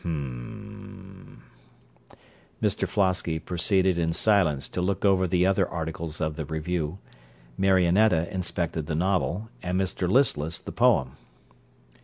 Hm m m. (_Mr Flosky proceeded in silence to look over the other articles of the review; Marionetta inspected the novel, and Mr Listless the poem.